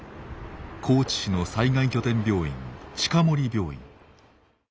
高知市の災害拠点病院近森病院。